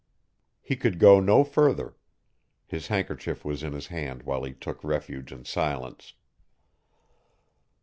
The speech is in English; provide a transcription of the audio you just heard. He could go no further. His handkerchief was in his hand while he took refuge in silence.